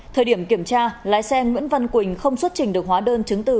thời điểm kiểm tra lái xe nguyễn văn quỳnh không xuất trình được hóa đơn chứng từ